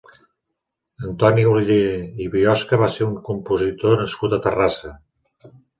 Antoni Oller i Biosca va ser un compositor nascut a Terrassa.